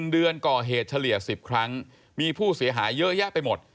๑เดือนก่อเหตุเฉลี่ย๑๐ครั้งมีผู้เสียหายเยอะแยะไปหมด